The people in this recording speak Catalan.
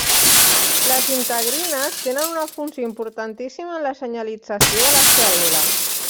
Les integrines tenen una funció importantíssima en la senyalització de la cèl·lula.